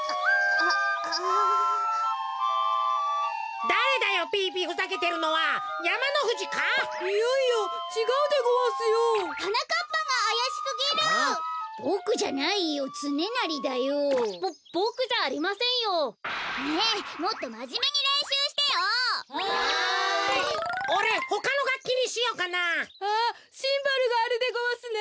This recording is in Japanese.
あっシンバルがあるでごわすね。